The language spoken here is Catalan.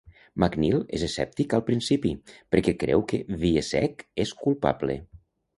McNeal és escèptic al principi, perquè creu que Wiecek és culpable.